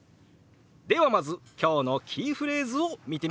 ではまず今日のキーフレーズを見てみましょう。